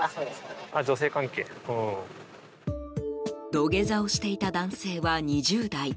土下座をしていた男性は２０代。